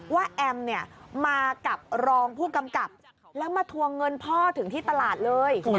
แอมเนี่ยมากับรองผู้กำกับแล้วมาทวงเงินพ่อถึงที่ตลาดเลย